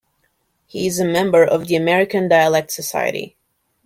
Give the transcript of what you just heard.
He is a member of the American Dialect Society.